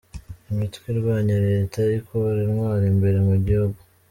Imitwe irwanya Leta ikura intwaro imbere mu gihugu